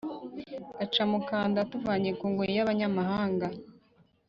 gacamukanda: uwatuvanye ku ngoyi (y’abanyamahanga)